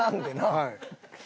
はい。